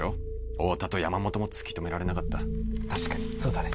太田と山本も突き止められなかった確かにそうだね